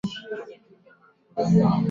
闭集同样擅长描述空间的拓扑。